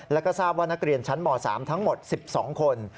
แล้วก็ทราบว่านักเรียนชั้นม๓ทั้งหมด๑๒คน